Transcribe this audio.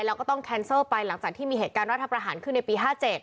แล้วก็ต้องแคนเซอร์ไปหลังจากที่มีเหตุการณ์รัฐประหารขึ้นในปี๕๗